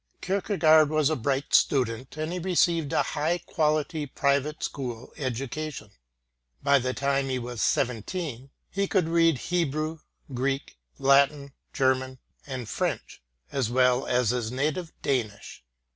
Kierkegaard was a bright student and he received a high quality private school education. By the time he was 17, he could read Hebrew, Greek, Latin, German, and French, as well as his native Danish.